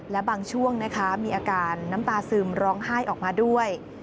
และบางช่วงนะคะมีอาการน้ำตาซึมร้องไห้ออกมาด้วย